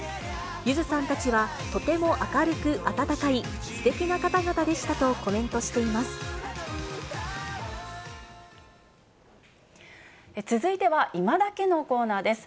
ゆずさんたちは、とても明るく温かい、すてきな方々でしたとコメントしています。